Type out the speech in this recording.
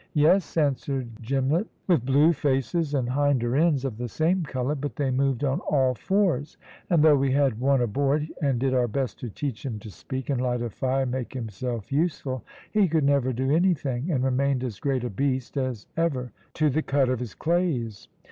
"Yes," answered Gimlett, "with blue faces and hinder ends of the same colour, but they moved on all fours, and though we had one aboard, and did our best to teach him to speak, and light a fire, and make himself useful, he could never do anything, and remained as great a beast as ever to the cud of his clays."